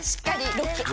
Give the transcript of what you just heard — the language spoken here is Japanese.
ロック！